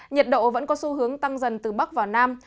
nhiệt độ vẫn có xu hướng tăng dần từ bắc vào nam